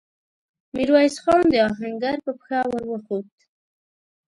ميرويس خان د آهنګر پر پښه ور وخووت.